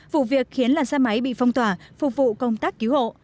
vụ việc khiến làn xe máy bị phong tỏa phục vụ công tác cứu hộ